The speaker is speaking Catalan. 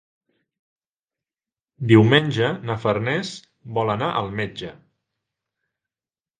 Diumenge na Farners vol anar al metge.